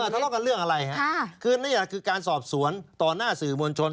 ทะเลาะกันเรื่องอะไรฮะคือนี่แหละคือการสอบสวนต่อหน้าสื่อมวลชน